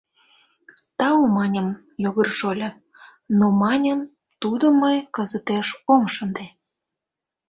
— Тау, маньым, Йогор шольо, но, маньым, тудым мый кызытеш ом шынде.